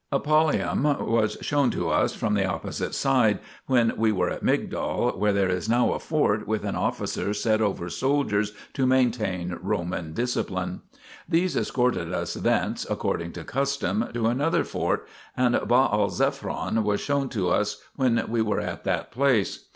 Epaulcum : was shown to us from the opposite side, when we were at Migdol, 2 where there is now a fort with an officer set over soldiers to maintain Roman discipline. These escorted us thence, according to custom, to another fort, and Baal zephon 3 was shown to us, when we were at that place.